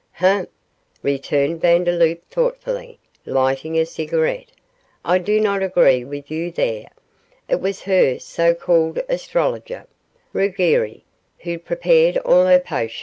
'Humph,' returned Vandeloup, thoughtfully, lighting a cigarette, 'I do not agree with you there; it was her so called astrologer, Ruggieri, who prepared all her potions.